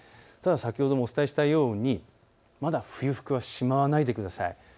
また先ほどもお伝えしたようにまだ冬服はしまわないでください。